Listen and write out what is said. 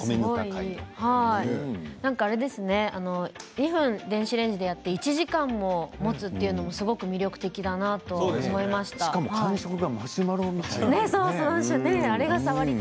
２分電子レンジでやって１時間ももつというのすごく魅力的だなと思いました。